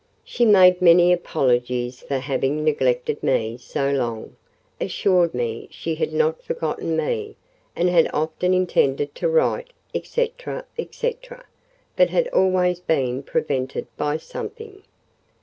She made many apologies for having neglected me so long, assured me she had not forgotten me, and had often intended to write, &c. &c., but had always been prevented by something.